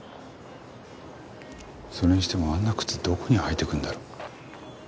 それにしてもあんな靴どこに履いていくんだろう？